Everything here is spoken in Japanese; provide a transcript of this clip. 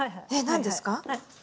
何ですか？